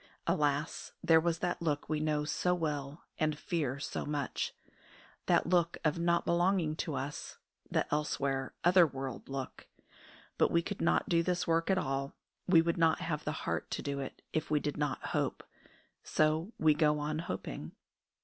Alas, there was that look we know so well and fear so much that look of not belonging to us, the elsewhere, other world look. But we could not do this work at all, we would not have the heart to do it, if we did not hope. So we go on hoping.